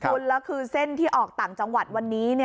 คุณแล้วคือเส้นที่ออกต่างจังหวัดวันนี้